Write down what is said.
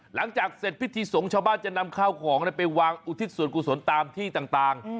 หลังจากเสร็จพิธีสงฆ์ชาวบ้านจะนำข้าวของไปวางอุทิศส่วนกุศลตามที่ต่าง